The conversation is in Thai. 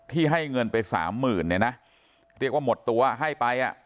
ให้เงินไปสามหมื่นเนี่ยนะเรียกว่าหมดตัวให้ไปอ่ะ